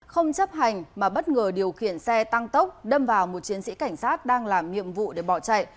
không chấp hành mà bất ngờ điều khiển xe tăng tốc đâm vào một chiến sĩ cảnh sát đang làm nhiệm vụ để bỏ chạy